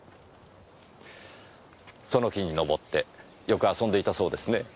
その木に登ってよく遊んでいたそうですね。